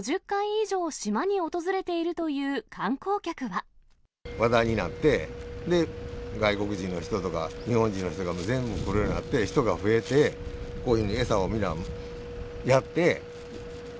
５０回以上、話題になって、外国人の人とか、日本人の人が全部来るようになって、人が増えて、こういうふうに餌を皆、やって。